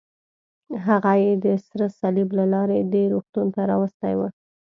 هغه یې د سره صلیب له لارې دې روغتون ته راوستی و.